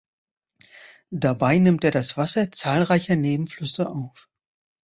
Dabei nimmt er das Wasser zahlreicher Nebenflüsse auf.